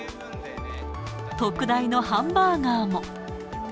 特大のハンバーガーも。